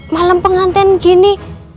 malam pengantin gini